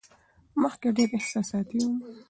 مخکې ډېره احساساتي وم.